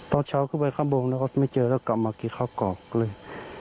ตอนเช้าเข้าไปข้างบนแล้วก็ไม่เจอแล้วกลับมากี่ครอบครอบเลย